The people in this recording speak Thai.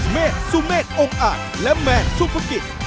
เมฆซูเมฆองค์อักและแมนซุฟกิศ